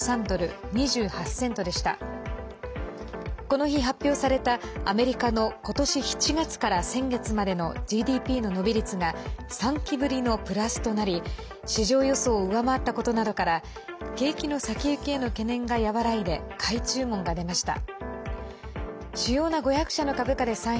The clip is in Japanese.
この日、発表されたアメリカの今年７月から先月までのＧＤＰの伸び率が３期ぶりのプラスとなり市場予想を上回ったことなどから景気の先行きへの懸念が和らいで買い注文が出ました。